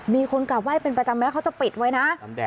มีคนกลับไห้เป็นประจำแม้เขาจะปิดไว้นะ